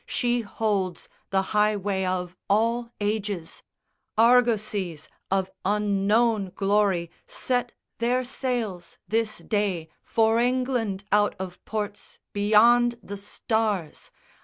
She holds The highway of all ages. Argosies Of unknown glory set their sails this day For England out of ports beyond the stars.